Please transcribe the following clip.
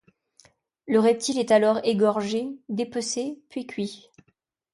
Le reptile est alors égorgé, dépecé puis cuit.